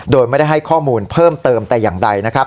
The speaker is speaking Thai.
โดยไม่ได้ให้ข้อมูลเพิ่มเติมแต่อย่างใดนะครับ